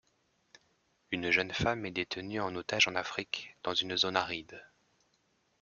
Une jeune femme est détenue en otage en Afrique, dans une zone aride.